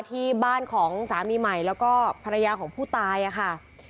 ที่บ้านของสามีใหม่แล้วก็ภรรยาของผู้ตายค่ะ